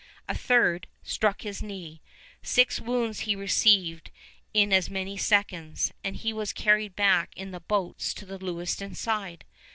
A third struck his knee. Six wounds he received in as many seconds; and he was carried back in the boats to the Lewiston side.